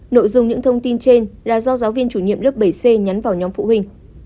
nội dung những thông tin trên là do giáo viên chủ nhiệm lớp bảy c nhấn vào nhóm phụ huynh